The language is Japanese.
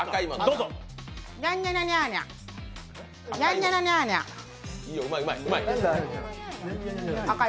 うまい、うまい。